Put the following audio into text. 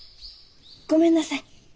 ごめんなさい。